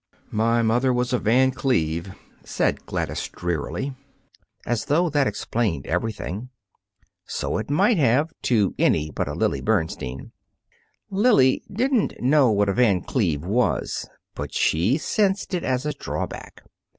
"My mother was a Van Cleve," said Gladys drearily, as though that explained everything. So it might have, to any but a Lily Bernstein. Lily didn't know what a Van Cleve was, but she sensed it as a drawback.